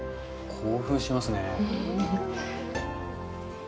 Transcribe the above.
興奮しますね。